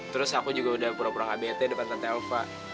terus aku juga udah pura pura gak bete depan tante elva